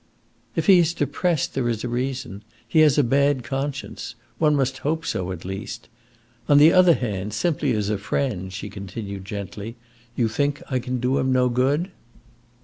"If he is depressed, there is a reason. He has a bad conscience. One must hope so, at least. On the other hand, simply as a friend," she continued gently, "you think I can do him no good?"